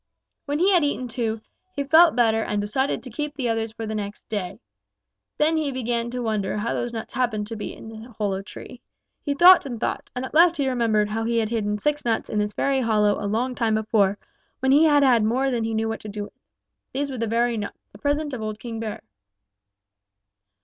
"When he had eaten two, he felt better and decided to keep the others for the next day. Then he began to wonder how those nuts happened to be in that hollow tree. He thought and thought, and at last he remembered how he had hidden six nuts in this very hollow a long time before, when he had had more than he knew what to do with. These were the very nuts, the present of old King Bear.